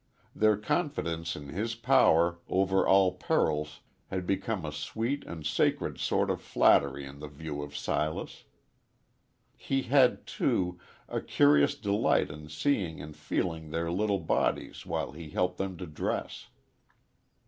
Their confidence in his power over all perils had become a sweet and sacred sort of flattery in the view of Silas. He had, too, a curious delight in seeing and feeling their little bodies while he helped them to dress.